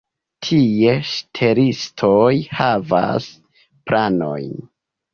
Tie ŝtelistoj havas planojn.